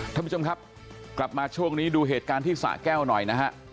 ท่านผู้ชมครับกลับมาช่วงนี้ดูเหตุการณ์ที่สะแก้วหน่อยนะฮะ